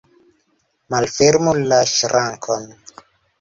Malfermu la ŝrankon!